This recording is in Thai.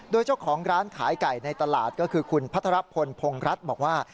โดยเจ้าของร้านขายไก่ในตลาดก็คือคุณพัทรพลพงรัฐบอกว่า